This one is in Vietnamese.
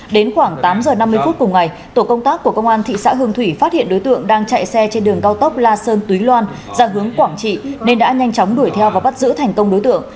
đến khoảng tám giờ năm mươi phút cùng ngày tổ công tác của công an thị xã hương thủy phát hiện đối tượng đang chạy xe trên đường cao tốc la sơn túy loan ra hướng quảng trị nên đã nhanh chóng đuổi theo và bắt giữ thành công đối tượng